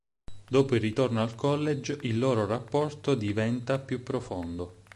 Dopo il ritorno al college, il loro rapporto diventa più profondo.